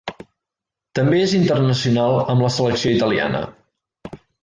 També és internacional amb la selecció italiana.